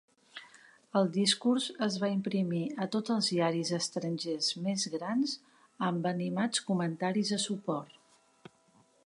El discurs es va imprimir a tots els diaris estrangers més grans amb animats comentaris de suport.